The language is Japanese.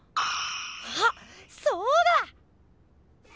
あっそうだ！